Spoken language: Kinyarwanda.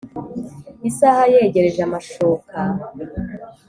Isaha yegereje amashoka,